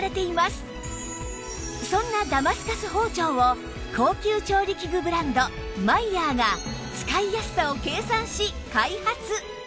そんなダマスカス包丁を高級調理器具ブランドマイヤーが使いやすさを計算し開発